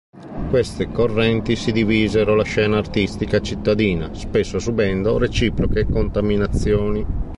Queste correnti si divisero la scena artistica cittadina spesso subendo reciproche contaminazioni.